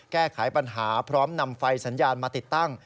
แก้ไขปัญหาพร้อมนำไฟสัญญาณมาติดตั้ง